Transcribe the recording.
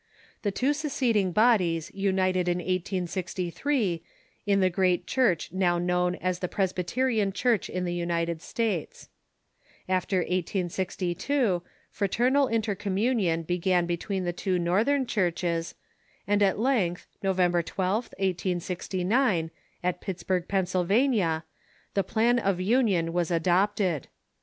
The two seceding bodies united in 1863 in the great Church now known as the Presbyterian Church in the United States. After 1862 fraternal intercommunion began between the two North ern churches, and at length, November 1 2th, 1869, at Pittsburgh, Pennsylvania, the Plan of Union was adopted.